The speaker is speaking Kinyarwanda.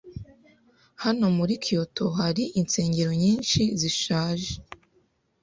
Hano muri Kyoto hari insengero nyinshi zishaje.